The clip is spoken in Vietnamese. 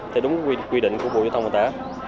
thì đúng quy định của bộ giao thông văn tả